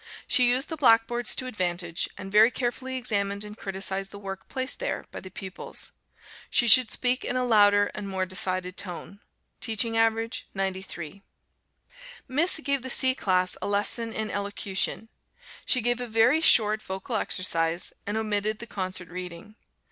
She used the blackboards to advantage, and very carefully examined and criticised the work placed there by the pupils. She should speak in a louder and more decided tone. Teaching average 93. Miss gave the C class a lesson in Elocution. She gave a very short vocal exercise and omitted the concert reading.